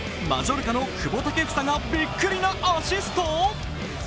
マジョルカの久保建英がびっくりなアシスト。